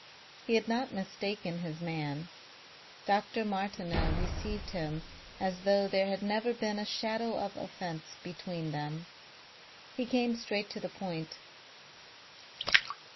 He had not mistaken his man. Dr. Martineau received him as though there had never been a shadow of offence between them. He came straight to the point.